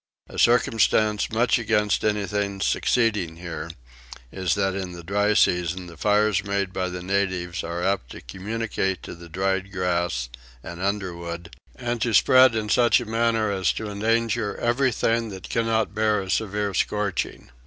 A circumstance much against anything succeeding here is that in the dry season the fires made by the natives are apt to communicate to the dried grass and underwood, and to spread in such a manner as to endanger everything that cannot bear a severe scorching.